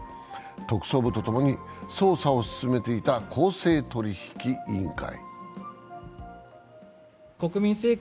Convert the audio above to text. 特捜部とともに捜査を進めていた公正取引委員会。